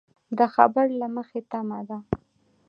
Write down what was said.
د خبر له مخې تمه ده